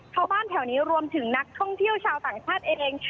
ชาวบ้านแถวนี้รวมถึงนักท่องเที่ยวชาวต่างชาติเอง